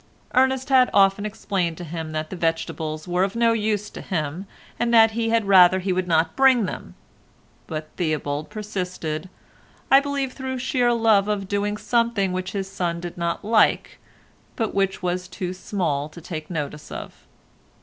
Ernest had often explained to him that the vegetables were of no use to him, and that he had rather he would not bring them; but Theobald persisted, I believe through sheer love of doing something which his son did not like, but which was too small to take notice of.